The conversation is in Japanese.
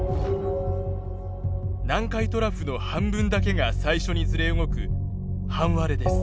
南海トラフの半分だけが最初にずれ動く半割れです。